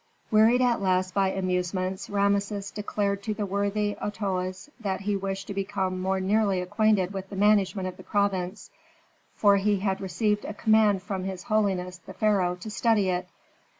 Wearied at last by amusements, Rameses declared to the worthy Otoes that he wished to become more nearly acquainted with the management of the province, for he had received a command from his holiness the pharaoh to study it.